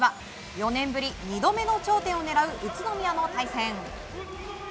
４年ぶり２度目の頂点を狙う宇都宮の対戦。